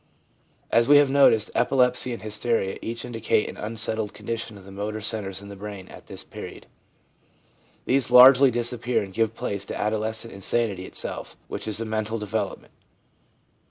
As we have noticed, epilepsy and hysteria each indicate an unsettled condition of the motor centres in the brain at this period ; these largely disappear and give place to adolescent insanity itself, which is a mental develop ment.